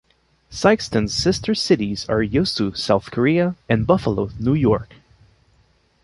Sikeston's sister cities are Yeosu, South Korea and Buffalo, New York.